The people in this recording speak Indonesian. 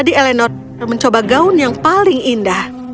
tadi eleanor mencoba gaun yang paling indah